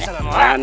mau kemana kemana